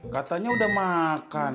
katanya udah makan